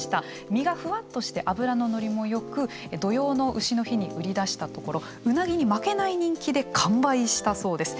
身がふわっとして脂の乗りもよく土用の丑の日に売り出したところウナギに負けない人気で完売したそうです。